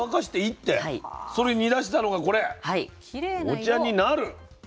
お茶になる。